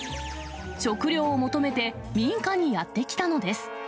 食料を求めて民家にやって来たのです。